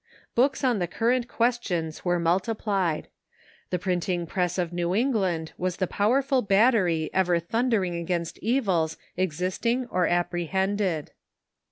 Books on the current ques tions were multiplied. The printing press of New England was the powerful battery ever thundering against evils exist ing or apprehended.